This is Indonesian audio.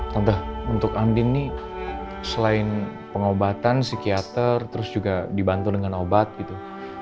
contoh untuk andin nih selain pengobatan psikiater terus juga dibantu dengan obat gitu